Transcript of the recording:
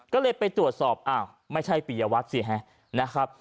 ก็เลยไปตรวจสอบอ้าวไม่ใช่ปียวัตรสิฮะนะครับ